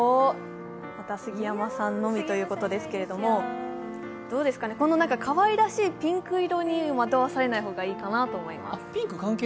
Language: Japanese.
また杉山さんのみということですけれどもどうですかね、このかわいらしいピンク色に惑わされない方がいいと思います。